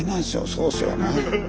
そうですよね。